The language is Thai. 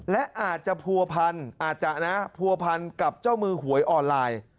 และอาจจะผัวพันกับเจ้ามือหวยออนไลน์